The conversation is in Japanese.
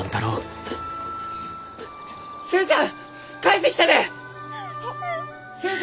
寿恵ちゃん帰ってきたで！